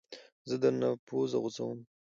زه درنه پوزه غوڅوم